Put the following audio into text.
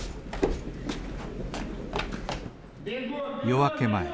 夜明け前